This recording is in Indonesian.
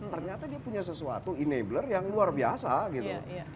ternyata dia punya sesuatu enabler yang luar biasa gitu